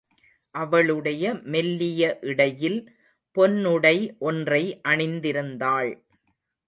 அவளுடைய மெல்லிய இடையில் பொன்னுடை ஒன்றை அணிந்திருந்தாள்.